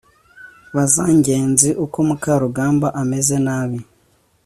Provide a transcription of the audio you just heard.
baza ngenzi uko mukarugambwa ameze nabi